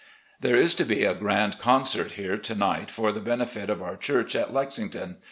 "There is to be a grand concert here to night for the benefit of our church at Lexington.